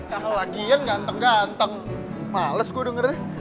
kalo lagi yan ganteng ganteng males gue dengernya